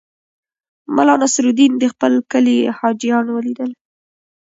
ملا نصرالدین د خپل کلي حاجیان ولیدل.